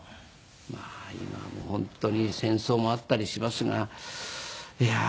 まあ今は本当に戦争もあったりしますがいやー